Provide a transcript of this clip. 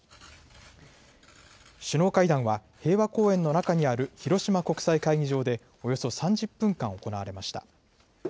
首脳会談は平和公園の中にある広島国際会議場でおよそ３０分間、行われました。